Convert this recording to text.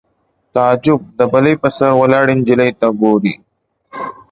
تعجب د بلۍ په سر ولاړې نجلۍ ته ګوري